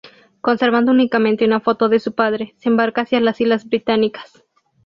Conservando únicamente una foto de su padre, se embarca hacia las islas británicas.